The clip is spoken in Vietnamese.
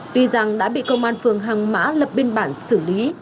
tuy rằng đã bị công an phường hàng mã lập biên bản xử lý